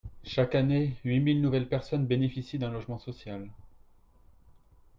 Chaque année, huit mille nouvelles personnes bénéficient d’un logement social.